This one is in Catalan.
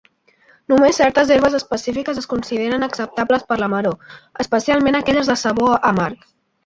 Només certes herbes específiques es consideren acceptables per la maror, especialment aquelles de sabor amarg.